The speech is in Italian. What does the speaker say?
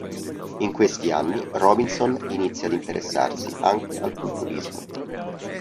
In questi anni Robinson inizia ad interessarsi anche al culturismo.